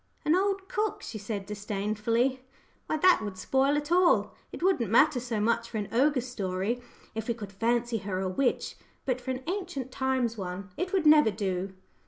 "An old cook!" she said disdainfully. "Why, that would spoil it all. It wouldn't matter so much for an ogre story, if we could fancy her a witch, but for an 'ancient times' one, it would never do."